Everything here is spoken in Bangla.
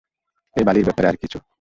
ওই বালির ব্যাপারে আর কিছু?